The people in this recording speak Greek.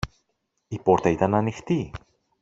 Η πόρτα ήταν ανοιχτή.